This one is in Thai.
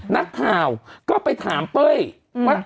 นักข่าวก็ไปถามเป้ยว่า